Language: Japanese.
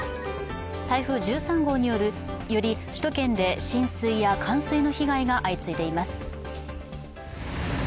台風１３号により、首都圏で浸水や冠水の被害が相次いでいます。